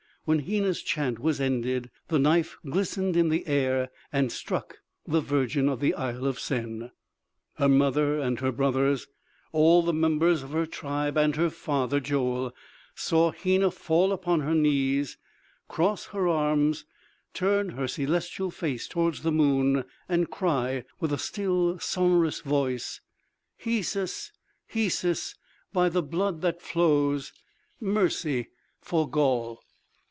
When Hena's chant was ended, the knife glistened in the air and struck the virgin of the Isle of Sen. Her mother and her brothers, all the members of her tribe and her father Joel saw Hena fall upon her knees, cross her arms, turn her celestial face towards the moon, and cry with a still sonorous voice: "Hesus ... Hesus ... by the blood that flows.... Mercy for Gaul!"